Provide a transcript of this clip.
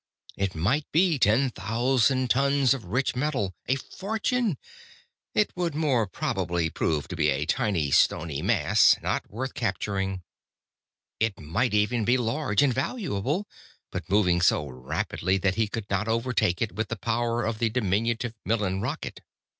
It might be ten thousand tons of rich metal. A fortune! It would more probably prove to be a tiny, stony mass, not worth capturing. It might even be large and valuable, but moving so rapidly that he could not overtake it with the power of the diminutive Millen rocket.